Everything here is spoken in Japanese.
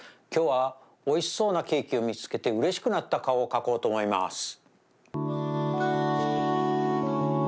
きょうはおいしそうなケーキをみつけてうれしくなった顔を描こうとおもいます。